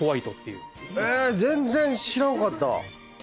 全然知らんかった。